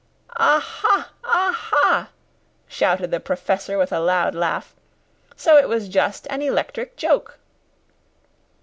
"Aha! aha!" shouted the Professor with a loud laugh. "So it was just an electric joke!"